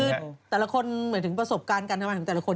คือแต่ละคนหมายถึงประสบการณ์การทำงานของแต่ละคน